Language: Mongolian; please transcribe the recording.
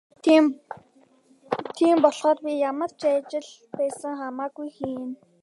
Тийм болохоор би ямар ч ажил байсан хамаагүй хийнэ.